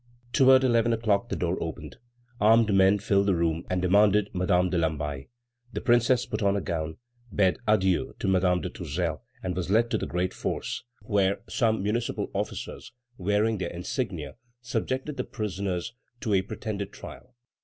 Toward eleven o'clock the door opened. Armed men filled the room and demanded Madame de Lamballe. The Princess put on a gown, bade adieu to Madame de Tourzel, and was led to the great Force, where some municipal officers, wearing their insignia, subjected the prisoners to a pretended trial.